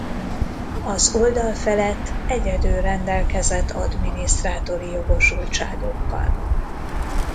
Az oldal felett egyedül rendelkezett adminisztrátori jogosultságokkal.